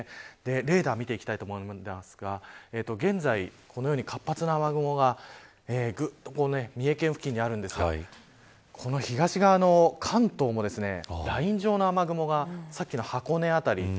レーダーを見ていきたいと思いますが現在、このように活発な雨雲が三重県付近にあるんですがこの東側の関東もライン状の雨雲がさっきの箱根辺り